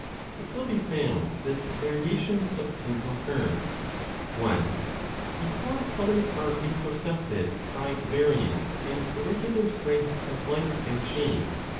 It will be found that variations of tint occur : 793 a I 1 ) Because colours are introcepted by varying and irregular strengths of light and shade.